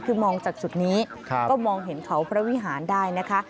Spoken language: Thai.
คือมองจากจุดนี้ก็มองเห็นเขาพระวิหารได้นะคะ